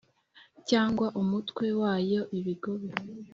Cyangwa umutwe wayo ibigobe